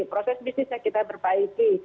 proses bisnisnya kita perbaiki